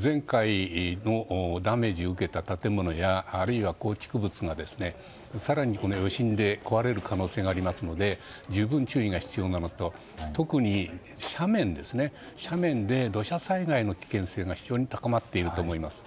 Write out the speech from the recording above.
前回のダメージを受けた建物やあるいは構築物が更に、この余震で壊れる可能性がありますので十分注意が必要なのと特に斜面で土砂災害の危険性が非常に高まっていると思います。